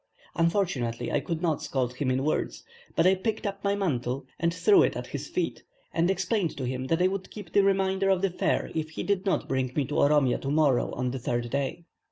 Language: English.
Unfortunately I could not scold him in words, but I picked up the mantle and threw it at his feet, and explained to him that I would keep the remainder of the fare if he did not bring me to Oromia to morrow on the third day.